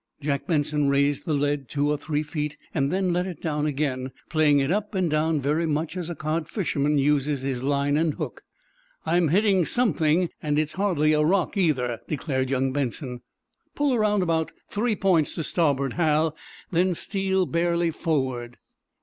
Jack Benson raised the lead two or three feet, then let it down again, playing it up and down very much as a cod fisherman uses his line and hook. "I'm hitting something, and it is hardly a rock, either," declared young Benson. "Pull around about three points to starboard, Hal, then steal barely forward."